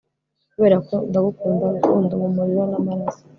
Kuberako ndagukunda Rukundo mumuriro namaraso